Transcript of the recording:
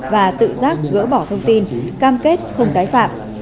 và tự giác gỡ bỏ thông tin cam kết không tái phạm